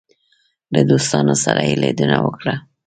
له دوستانو سره یې لیدنه وکړه.